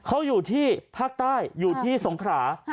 เขาอยู่ที่ภาคใต้อยู่ที่สงขรา